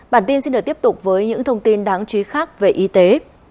bản tin xin được tiếp tục với những thông tin đáng chú ý khác về y tế